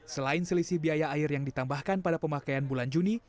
selain selisih biaya air yang ditambahkan pada pemakaian bulan juni